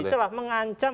sangat menjadi celah